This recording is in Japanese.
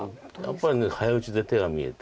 やっぱり早打ちで手が見えて。